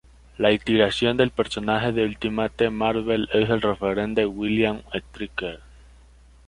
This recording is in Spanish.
La iteración del personaje de Ultimate Marvel es el Reverendo William Stryker Jr.